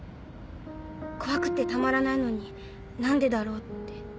怖くてたまらないのに何でだろうって。